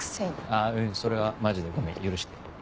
あぁうんそれはマジでごめん許して。